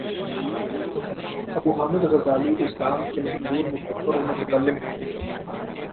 ابو Hamid Ghazali اسلام کے مشہور مفکر اور متکلم تھے